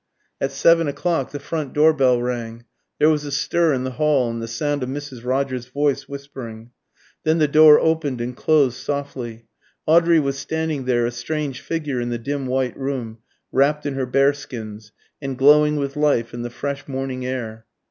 At seven o'clock the front door bell rang; there was a stir in the hall and the sound of Mrs. Rogers' voice whispering. Then the door opened and closed softly. Audrey was standing there, a strange figure in the dim white room, wrapped in her bearskins, and glowing with life and the fresh morning air.